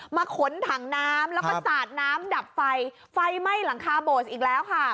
ขนถังน้ำแล้วก็สาดน้ำดับไฟไฟไหม้หลังคาโบสอีกแล้วค่ะ